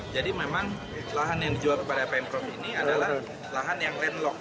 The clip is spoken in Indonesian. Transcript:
jadi memang lahan yang dijual kepada pemprov ini adalah lahan yang landlock